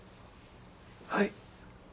はい。